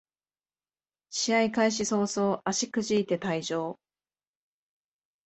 試合開始そうそう足くじいて退場